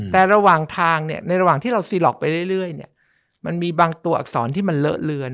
แต่ระหว่างทางเนี่ยในระหว่างที่เราซีล็อกไปเรื่อยมันมีบางตัวอักษรที่มันเลอะเลือน